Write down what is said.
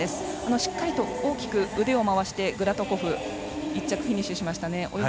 しっかりと大きく腕を回してグラトコフ１着でフィニッシュしました。